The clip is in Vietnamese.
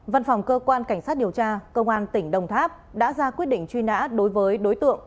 văn phòng cơ quan cảnh sát điều tra công an tỉnh đồng tháp đã ra quyết định truy nã đối với đối tượng